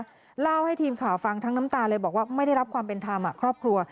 ก็เล่าให้ทีมข่าวฟังทั้งน้ำตาเลยบอกว่าไม่ได้รับความเป็นธรรมครอบครัว